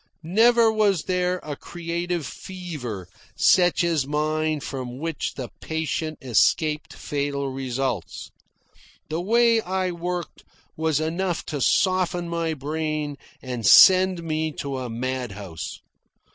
Never was there a creative fever such as mine from which the patient escaped fatal results. The way I worked was enough to soften my brain and send me to a mad house.